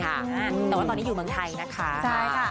แต่ว่าตอนนี้อยู่เมืองไทยนะคะใช่ค่ะ